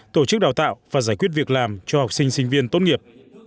tổ chức đào tạo và giải quyết việc làm cho học sinh sinh viên tốt nghiệp